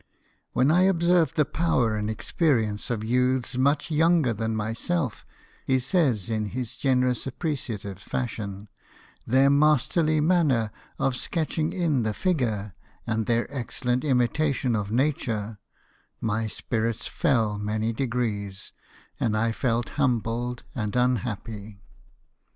" When I ob served the power and experience of youths much younger than myself," he says in his gene rous appreciative fashion, " their masterly manner of sketching in the figure, and their excellent imitation of nature, my spirits fell many degrees, and I felt humbled and unhappy."